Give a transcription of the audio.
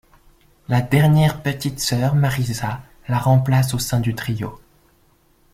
La dernière petite sœur, Mariza, la remplace au sein du Trio.